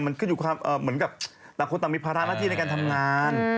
มันขึ้นอยู่ความเหมือนกับต่างคนต่างมีภาระหน้าที่ในการทำงาน